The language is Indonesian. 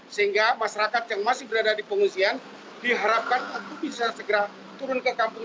sehingga masyarakat yang masih berada di pengungsian diharapkan untuk bisa segera turun ke kampung